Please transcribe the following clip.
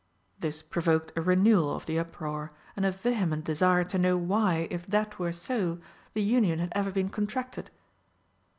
This provoked a renewal of the uproar and a vehement desire to know why, if that were so, the union had ever been contracted.